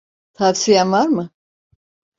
Tavsiyen var mı?